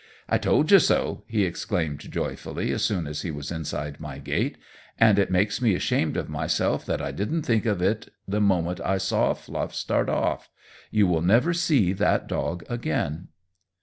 "I told you so!" he exclaimed joyfully, as soon as he was inside my gate. "And it makes me ashamed of myself that I didn't think of it the moment I saw Fluff start off. You will never see that dog again."